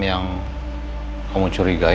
yang kamu curigai